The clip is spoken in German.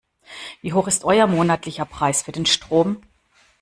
Wie hoch ist euer monatlicher Preis für den Strom?